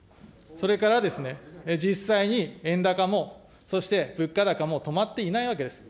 それからですね、実際に円高も、そして物価高も止まっていないわけです。